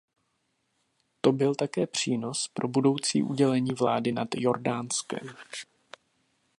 To byl také přínos pro budoucí udělení vlády nad Jordánskem.